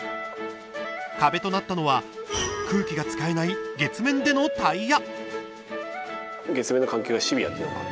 壁となったのは空気が使えない月面でのタイヤ。